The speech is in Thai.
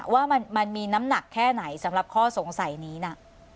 ว่ามันมีน้ำหนักแค่ไหนสำหรับข้อสงสัยนี้นะ